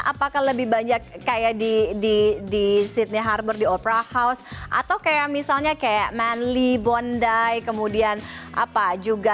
apakah lebih banyak kayak di sydney harbor di opera house atau kayak misalnya kayak manly bondai kemudian apa juga